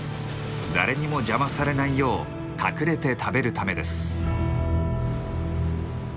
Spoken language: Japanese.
誰にも邪魔されないよう隠れて食べるためです。